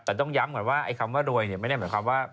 แต่ต้องย้ำว่าไอ้คำว่ารวยเนี่ยไม่ได้เหมือนคำว่า